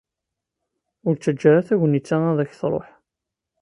Ur ttaǧǧa ara tagnit-a ad k-truḥ.